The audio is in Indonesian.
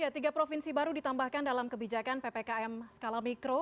tiga provinsi baru ditambahkan dalam kebijakan ppkm skala mikro